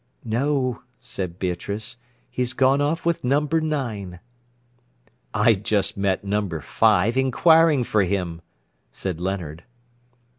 "No," said Beatrice, "he's gone off with number nine." "I just met number five inquiring for him," said Leonard.